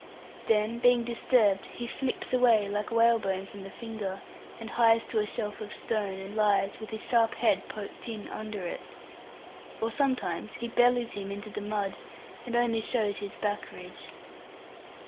Then being disturbed he flips away, like whalebone from the finger, and hies to a shelf of stone, and lies with his sharp head poked in under it; or sometimes he bellies him into the mud, and only shows his back ridge.